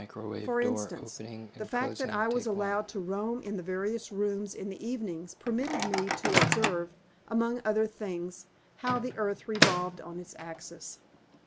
For instance, the fact that I was allowed to roam in the various rooms in the evenings permitted me to observe, among other things, how the earth revolved on its axis.